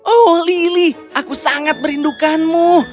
oh lili aku sangat merindukanmu